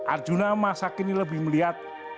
arjuna masakin ini lebih melihat